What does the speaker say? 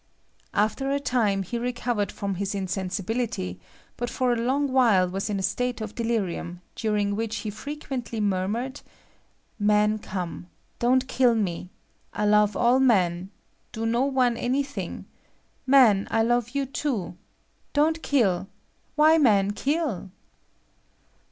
After a time he recovered from his insensibility, but for a long while was in a state of delirium, during which he frequently murmured, "Man come don't kill me I love all men do no one anything. Man, I love you too. Don't kill why man kill?"